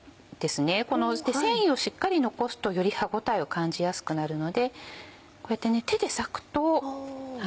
この繊維をしっかり残すとより歯応えを感じやすくなるのでこうやって手で裂くと。